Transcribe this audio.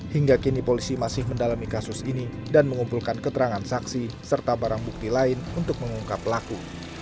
hingga kini polisi masih mendalami kasus ini dan mengumpulkan keterangan saksi serta barang bukti lain untuk mengungkap pelaku